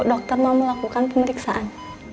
dokter mau melakukan pemeriksaan